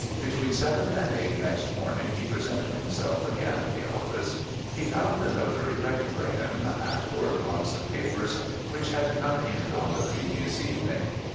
Between seven and eight next morning, he presented himself again at the office. He found the notary ready for him, at work on some papers which had come in on the previous evening.